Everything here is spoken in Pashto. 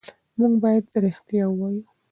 موږ باید رښتیا ووایو.